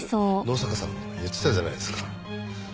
野坂さん言ってたじゃないですか。